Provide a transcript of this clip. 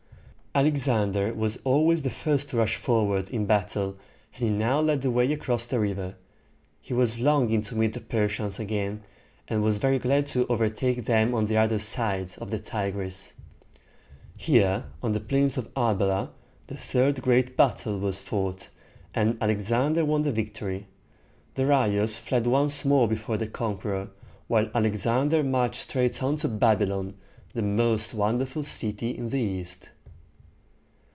Alexander was always the first to rush forward in battle, and he now led the way across the river. He was longing to meet the Persians again, and was very glad to overtake them on the other side of the Tigris. Here, on the plains of Ar be´la, the third great battle was fought, and Alexander won the victory. Darius fled once more before the conqueror, while Alexander marched straight on to Bab´y lon, the most wonderful city in the East.